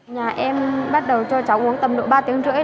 nhà em bắt đầu cho cháu uống tầm độ ba tiếng rưỡi